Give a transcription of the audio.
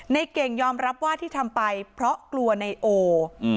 เก่งยอมรับว่าที่ทำไปเพราะกลัวในโอ